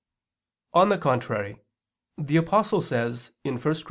On the contrary, The Apostle says (1 Cor.